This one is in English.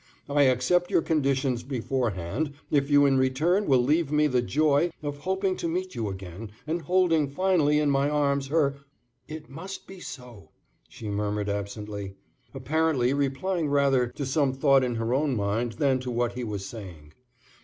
I accept your conditions beforehand, if you in return will leave me the joy of hoping to meet you again and holding finally in my arms her " "It must be so," she murmured absently, apparently replying rather to some thought in her own mind than to what he was saying.